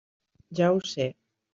Ja ho sé!